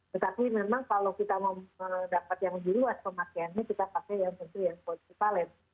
tetapi memang kalau kita mau mendapat yang lebih luas pemakaiannya kita pakai yang tentu yang konsuvalen